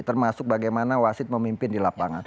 termasuk bagaimana wasit memimpin di lapangan